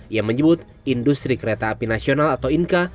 ia menyebut industri kereta api nasional atau inka